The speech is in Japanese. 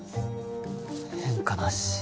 変化なし。